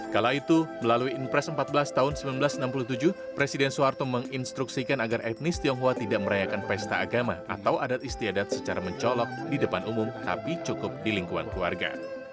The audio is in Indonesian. kala itu melalui impres empat belas tahun seribu sembilan ratus enam puluh tujuh presiden soeharto menginstruksikan agar etnis tionghoa tidak merayakan pesta agama atau adat istiadat secara mencolok di depan umum tapi cukup di lingkungan keluarga